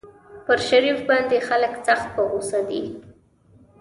پر شريف باندې خلک سخت په غوسه دي.